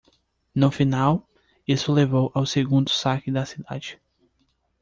No final, isso levou ao segundo saque da cidade.